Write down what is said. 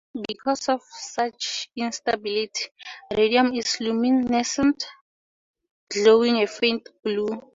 Because of such instability, radium is luminescent, glowing a faint blue.